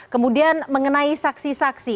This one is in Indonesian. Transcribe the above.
kemudian mengenai saksi saksi